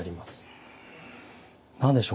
何でしょう